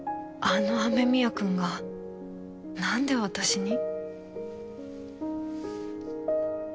あの雨宮くんがなんで私に？